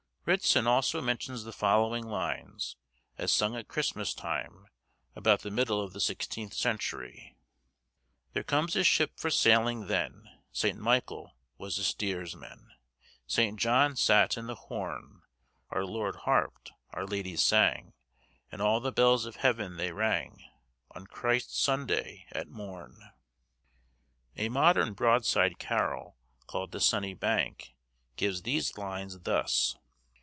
Ritson also mentions the following lines, as sung at Christmas time, about the middle of the sixteenth century. "There comes a ship far sailing then, Saint Michel was the stieres man; Saint John sate in the horn. Our Lord harped, our Lady sang, And all the bells of heaven they rang, On Christ's Sonday at morn." A modern broadside carol, called 'The Sunny Bank,' gives these lines thus.